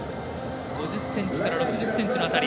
５０ｃｍから６０ｃｍ。